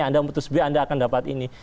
anda putus b anda akan dapat ini